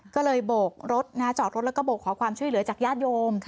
ก็เลยโบกรถจอดรถแล้วก็โบกขอความช่วยเหลือจากญาติโยม